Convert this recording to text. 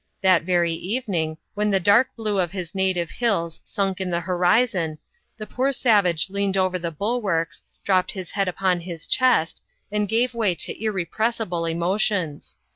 That very evening when the dark blue of his native hills sunk in the horizon, th( poor savage leaned over the bulwarks, dropped his head upoi his chest, and gave way to irrepressible emotions.